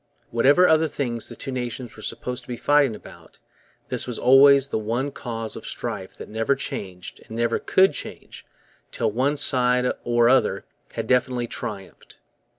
Whatever other things the two nations were supposed to be fighting about, this was always the one cause of strife that never changed and never could change till one side or other had definitely triumphed.